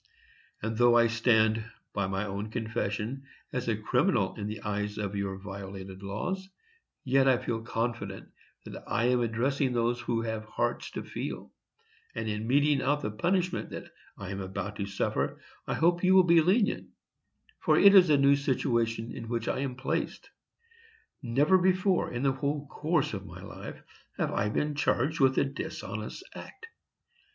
And although I stand, by my own confession, as a criminal in the eyes of your violated laws, yet I feel confident that I am addressing those who have hearts to feel; and in meting out the punishment that I am about to suffer I hope you will be lenient, for it is a new situation in which I am placed. Never before, in the whole course of my life, have I been charged with a dishonest act.